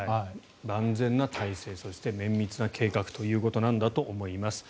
万全な体制そして綿密な計画ということなんだと思います。